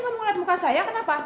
kamu lihat muka saya kenapa